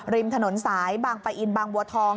ริมถนนสายบางปะอินบางบัวทอง